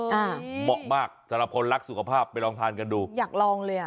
เหมาะมากสำหรับคนรักสุขภาพไปลองทานกันดูอยากลองเลยอ่ะ